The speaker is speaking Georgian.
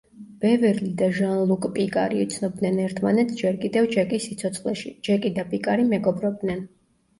ბევერლი და ჟან-ლუკ პიკარი იცნობდნენ ერთმანეთს ჯერ კიდევ ჯეკის სიცოცხლეში, ჯეკი და პიკარი მეგობრობდნენ.